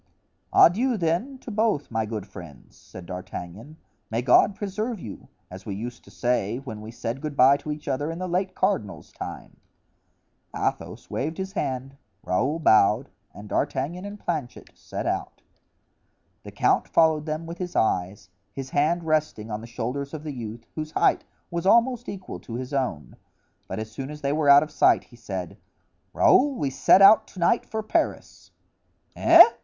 "Adieu, then, to both, my good friends," said D'Artagnan; "may God preserve you! as we used to say when we said good bye to each other in the late cardinal's time." Athos waved his hand, Raoul bowed, and D'Artagnan and Planchet set out. The count followed them with his eyes, his hands resting on the shoulders of the youth, whose height was almost equal to his own; but as soon as they were out of sight he said: "Raoul, we set out to night for Paris." "Eh?"